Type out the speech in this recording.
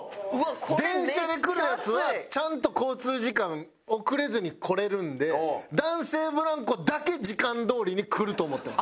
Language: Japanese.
電車で来るヤツはちゃんと交通時間遅れずに来れるんで男性ブランコだけ時間どおりに来ると思ってます。